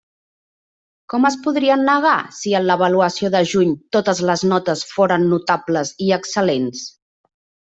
Com es podrien negar si en l'avaluació de juny totes les notes foren notables i excel·lents?